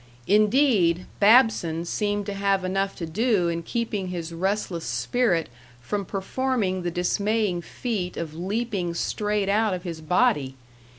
Indeed, Babson seemed to have enough to do in keeping his restless spirit from performing the dismaying feat of leaping straight out of his body.